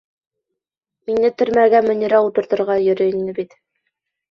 Мине төрмәгә Мөнирә ултыртырға йөрөй ине бит.